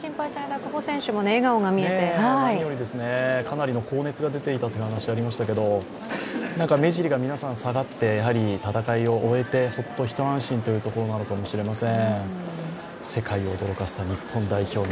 久保選手、かなりの高熱が出ていたという話がありましたけれども、目尻が皆さん下がって、戦いを終えてホッと一安心というところかもしれません。